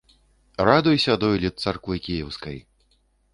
Радуйся, дойлід Царквы Кіеўскай